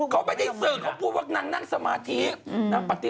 เค้าไม่ได้เสื่อเค้าพูดว่านังนั่งสมาธิ